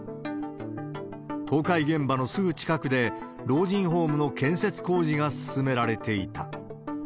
倒壊現場のすぐ近くで、老人ホームの建設工事が進められていた。